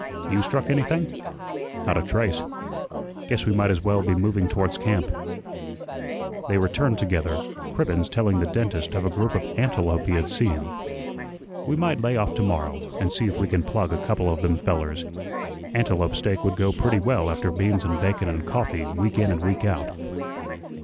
You struck anything?" "Not a trace. Guess we might as well be moving towards camp." They returned together, Cribbens telling the dentist of a group of antelope he had seen. "We might lay off to morrow, an' see if we can plug a couple of them fellers. Antelope steak would go pretty well after beans an' bacon an' coffee week in an' week out."